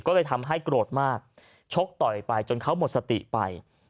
ก็เลยทำให้โกรธมากชกต่อยไปจนเขาหมดสติไป